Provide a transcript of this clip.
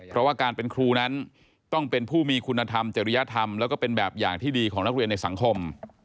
เพราะว่าการเป็นครูนั้นต้องเป็นผู้มีคุณธรรมจริยธรรมแล้วก็เป็นแบบอย่างที่ดีของนักเรียนในสังคม